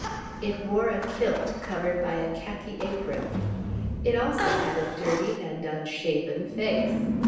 It wore a kilt covered by a khaki apron. It also had a dirty and unshaven face.